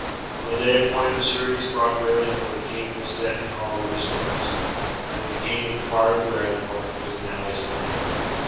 On the day appointed the sureties brought Graelent where the King was set in hall with his lords. Then the King inquired of Graelent where was now his friend.